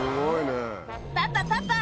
「パパパパ！